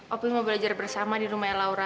opi mau belajar bersama di rumahnya laura